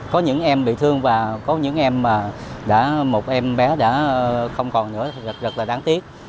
có những em bị thương và có những em mà đã một em bé đã không còn nữa rất là đáng tiếc